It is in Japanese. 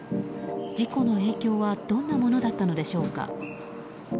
事故の影響はどんなものだったのでしょうか。